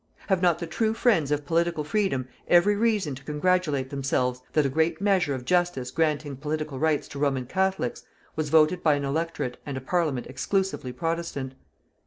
Have not the true friends of political freedom every reason to congratulate themselves that a great measure of justice granting political rights to Roman Catholics was voted by an Electorate and a Parliament exclusively Protestant.